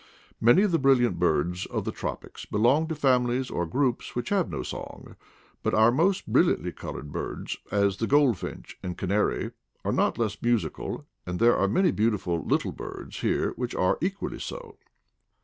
Many of the brilliant birds of the tropics belong to families or groups which have no song; but our most bril liantly colored birds, as the goldfinch and canary, are not less musical, and there are many beautiful little birds here which are equally so.